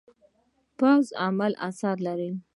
پوخ عمل اثر لري